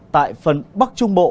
tại phần bắc trung bộ